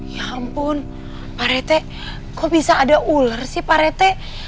ya ampun pak rete kok bisa ada ular sih pak rete